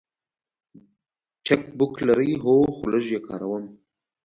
چک بوک لرئ؟ هو، خو لږ یی کاروم